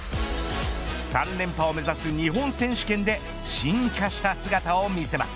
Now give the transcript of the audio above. ３連覇を目指す日本選手権で進化した姿を見せます。